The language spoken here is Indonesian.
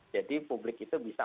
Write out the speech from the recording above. jadi publik itu bisa